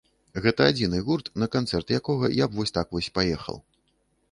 Гэта адзіны гурт, на канцэрт якога я б вось так вось паехаў.